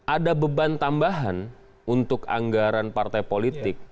ada beban tambahan untuk anggaran partai politik